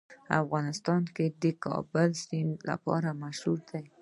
افغانستان د د کابل سیند لپاره مشهور دی.